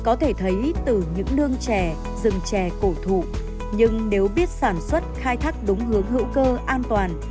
có thể thấy từ những nương chè rừng chè cổ thụ nhưng nếu biết sản xuất khai thác đúng hướng hữu cơ an toàn